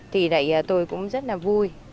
thì đấy tôi cũng rất là vui